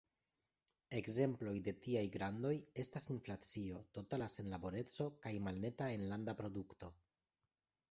Ekzemploj de tiaj grandoj estas inflacio, totala senlaboreco kaj malneta enlanda produkto.